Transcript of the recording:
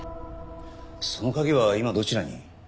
その鍵は今どちらに？